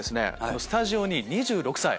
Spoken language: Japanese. このスタジオに２６歳。